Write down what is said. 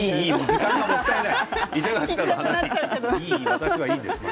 時間がもったいない。